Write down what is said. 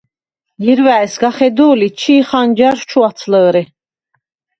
ჲერუ̂ა̈ჲ სგა ხედო̄ლი, ჩი ხანჯარშუ̂ ჩუ̂’აცლჷ̄რე.